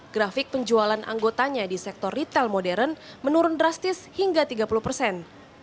grafik penjualan anggotanya di sektor retail modern menurun drastis hingga tiga puluh persen